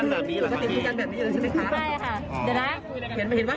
ไม่ถามถามเฉย